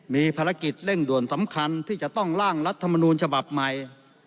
มีภารกิจเร่งด่วนสำคัญที่จะต้องล่างรัฐมนูลฉบับใหม่